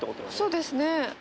そうですね。